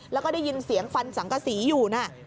แล้วก็ได้ยินเสียงฟันสังกษีอยู่นะ